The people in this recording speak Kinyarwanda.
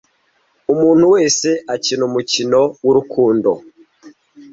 Umuntu wese akina umukino wurukundo.